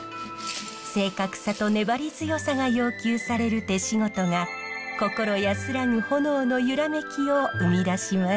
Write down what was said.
正確さと粘り強さが要求される手仕事が心安らぐ炎の揺らめきを生み出します。